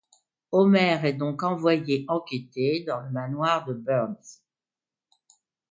Homer est donc envoyé enquêter dans le manoir de Burns.